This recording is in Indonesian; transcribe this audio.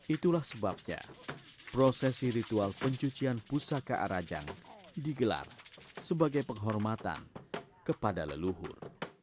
itulah sebabnya prosesi ritual pencucian pusaka arajang digelar sebagai penghormatan kepada leluhur